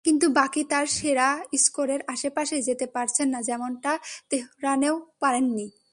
কিন্তু বাকি তাঁর সেরা স্কোরের আশপাশেই যেতে পারছেন না, যেমনটা তেহরানেও পারেননি।